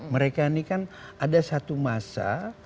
mereka ini kan ada satu masa